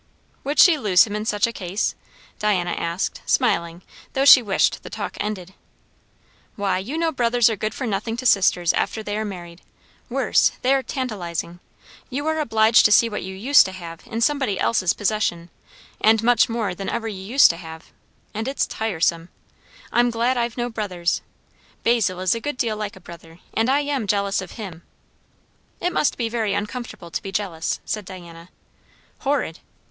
"Would she lose him in such a case?" Diana asked, smiling, though she wished the talk ended. "Why, you know brothers are good for nothing to sisters after they are married worse! they are tantalizing. You are obliged to see what you used to have in somebody else's possession and much more than ever you used to have; and it's tiresome. I'm glad I've no brothers. Basil is a good deal like a brother, and I am jealous of him." "It must be very uncomfortable to be jealous," said Diana, "Horrid!